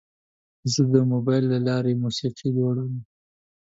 زه د موبایل له لارې موسیقي جوړوم.